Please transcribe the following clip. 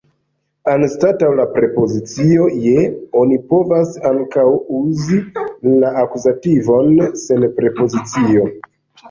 Anstataŭ la prepozicio je oni povas ankaŭ uzi la akuzativon sen prepozicio.